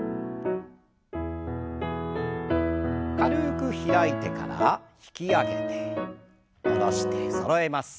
軽く開いてから引き上げて下ろしてそろえます。